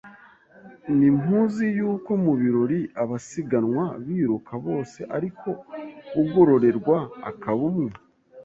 “Ntimuzi yuko mu birori abasiganwa biruka bose, ariko ugororerwa akaba umwe